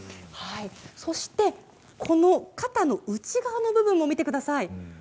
そしてこの肩の内側の部分も見てください。